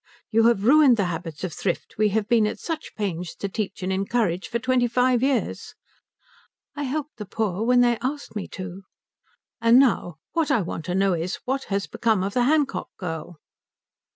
"You have ruined the habits of thrift we have been at such pains to teach and encourage for twenty five years." "I helped the poor when they asked me to." "And now what I want to know is, what has become of the Hancock girl?"